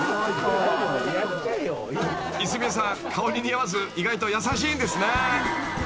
［泉谷さん顔に似合わず意外と優しいんですね］